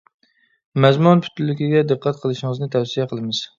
مەزمۇن پۈتۈنلۈكىگە دىققەت قىلىشىڭىزنى تەۋسىيە قىلىمىز.